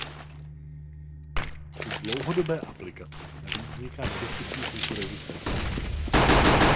Při dlouhodobé aplikaci navíc vzniká nebezpečí vzniku rezistence.